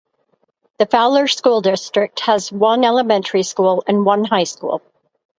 The Fowler School District has one elementary school and one high school.